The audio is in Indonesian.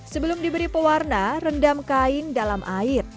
sebelum diberi pewarna rendam kain dalam air